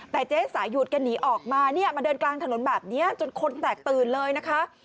แต่เจ๊สายุดแกหนีออกมาเนี่ยมาเดินกลางถนนแบบนี้จนคนแตกตื่นเลยนะคะ